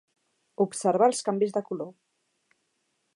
Observar els canvis de color.